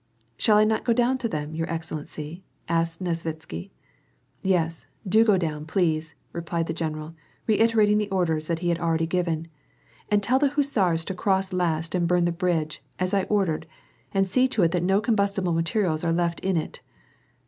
" Shall I not go dbwn to them, your excellency ?" asked Nesvitsky. " Yes, do go down, please," replied the general, reiterating the orders that he had already given. " And tell the hussars to cross last and burn the bridge, as I ordered, and see to it that no combustible materials are left in it."